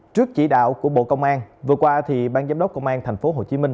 trước chỉ đạo của bộ công an vừa qua ban giám đốc công an tp hcm